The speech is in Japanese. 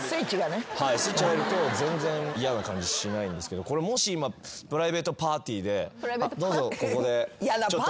はいスイッチ入ると全然嫌な感じしないんですけどこれもし今プライベートパーティーで。